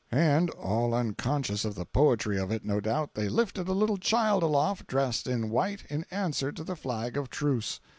And, all unconscious of the poetry of it, no doubt, they lifted a little child aloft, dressed in white, in answer to the flag of truce!